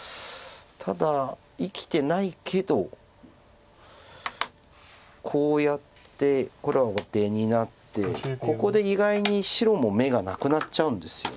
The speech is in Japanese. ただ生きてないけどこうやって黒は出になってここで意外に白も眼がなくなっちゃうんですよね。